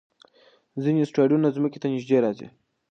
ځینې اسټروېډونه ځمکې ته نږدې راځي.